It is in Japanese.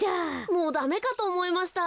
もうダメかとおもいました。